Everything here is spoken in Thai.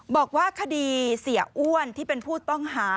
บอกว่าคดีเสียอ้วนที่เป็นผู้ต้องหา